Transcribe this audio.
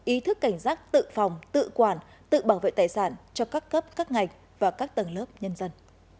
ý thức cảnh giác tự phòng tự quản tự bảo vệ tài sản cho các cấp các ngành và các tầng lớp nhân dân